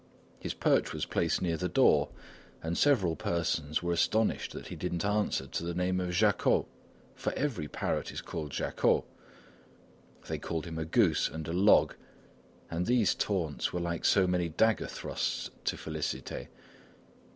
His perch was placed near the door and several persons were astonished that he did not answer to the name of "Jacquot," for every parrot is called Jacquot. They called him a goose and a log, and these taunts were like so many dagger thrusts to Félicité.